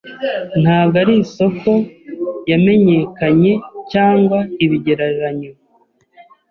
Ntabwo ari isoko yamenyekanye cyangwa ibigereranyo